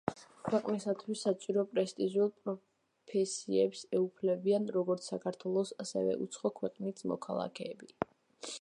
ქვეყნისათვის საჭირო პრესტიჟულ პროფესიებს ეუფლებიან, როგორც საქართველოს, ასევე უცხო ქვეყნის მოქალაქეები.